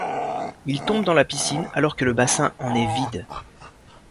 Il tombe dans la piscine alors que le bassin en est vide.